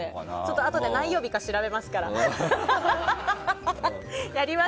あとで何曜日か調べますから。